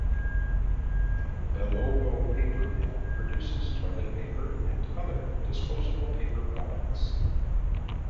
The Belovo paper mill produces toilet paper and other disposable paper products.